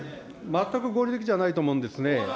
全く合理的じゃないと思うんですね。